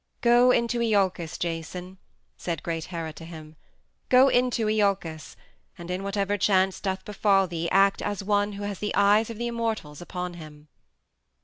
"Go into Iolcus, Jason," said great Hera to him, "go into Iolcus, and in whatever chance doth befall thee act as one who has the eyes of the immortals upon him."